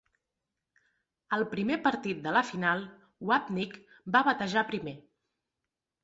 Al primer partit de la final, Wapnick va batejar primer.